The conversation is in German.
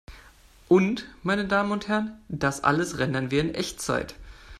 Und, meine Damen und Herren, das alles rendern wir in Echtzeit!